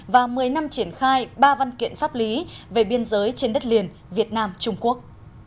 và một mươi năm triển khai ba văn kiện pháp lý về biên giới trên đất liền việt nam trung quốc